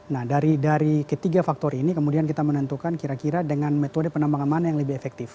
nah dari ketiga faktor ini kemudian kita menentukan kira kira dengan metode penambangan mana yang lebih efektif